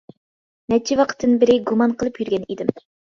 نەچچە ۋاقىتتىن بېرى گۇمان قىلىپ يۈرگەن ئىدىم.